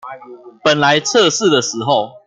本來測試的時候